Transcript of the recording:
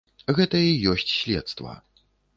Гэта і ёсць следства.